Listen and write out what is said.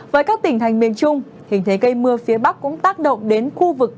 với các tỉnh thành miền trung hình thế gây mưa phía bắc cũng tác động đến khu vực